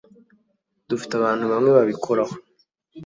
dufite abantu bamwe babikoraho